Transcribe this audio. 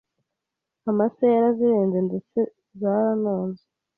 amase yarazirenze ndetse zaranonze